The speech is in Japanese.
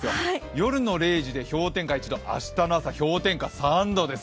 夜の０時で氷点下１度、明日の朝、氷点下３度です。